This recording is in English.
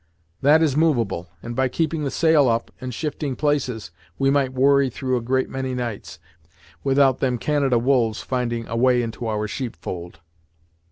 That is moveable, and by keeping the sail up, and shifting places, we might worry through a great many nights, without them Canada wolves finding a way into our sheep fold!"